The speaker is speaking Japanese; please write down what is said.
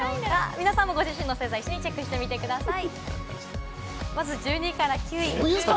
皆さんもご自身の星座をチェックしてみてください。